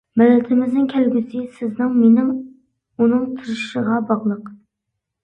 مىللىتىمىزنىڭ كەلگۈسى سىزنىڭ، مېنىڭ، ئۇنىڭ تىرىشىشىغا باغلىق.